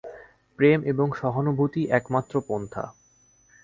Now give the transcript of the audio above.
প্রেম এবং সহানুভূতিই একমাত্র পন্থা।